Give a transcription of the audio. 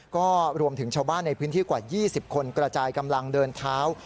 ก็รวมถึงชาวบ้านในพื้นที่กว่า๒๐คนกระจายกำลังเดินเท้า